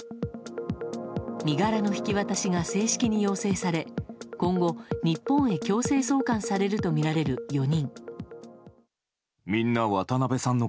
身柄の引き渡しが正式に要請され今後、日本へ強制送還されるとみられる４人。